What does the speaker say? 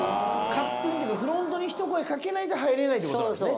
勝手にというかフロントにひと声かけないと入れないって事なんですね。